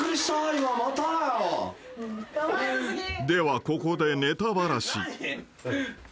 ［ではここでネタバラシ］